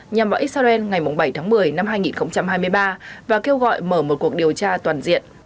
nhằm vào israel ngày bảy tháng một mươi năm hai nghìn hai mươi ba và kêu gọi mở một cuộc điều tra toàn diện